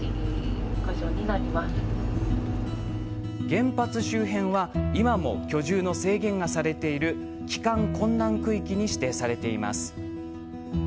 原発周辺は今も居住の制限がされている帰還困難区域に指定されています。